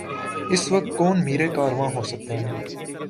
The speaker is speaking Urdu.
اس وقت کون میر کارواں ہو سکتا ہے؟